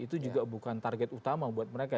itu juga bukan target utama buat mereka